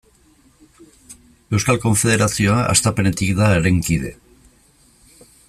Euskal Konfederazioa hastapenetik da haren kide.